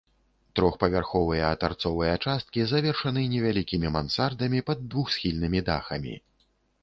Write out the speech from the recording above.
Трохпавярховыя тарцовыя часткі завершаны невялікімі мансардамі пад двухсхільнымі дахамі.